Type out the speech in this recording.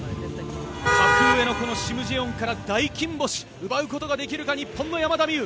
格上のシム・ジェヨンから大金星を奪うことができるか日本の山田美諭。